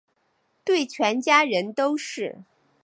对全家人都是